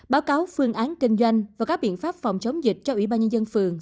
báo cáo phương án kinh doanh và các biện pháp phòng chống dịch cho ủy ban nhân dân phường